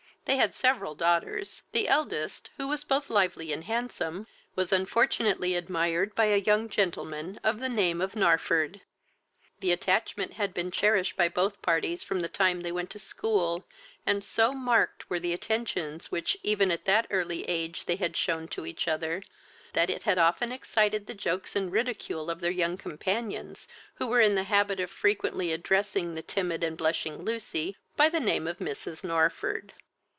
They had several daughters; the eldest, who was both lively and handsome, was unfortunately admired by a young gentleman of the name of Narford. The attachment had been cherished by both parties from the time they went to school, and so marked were the attentions which, even at that early age, they had shewn to each other, that it had often excited the jokes and ridicule of their young companions, who were in the habit of frequently addressing the timid and blushing Lucy by the name of Mrs. Narford.